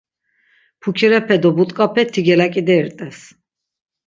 Pukirepe do but̆k̆ape ti gelak̆ideyi rt̆es.